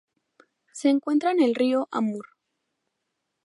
Se encuentra en el río Amur.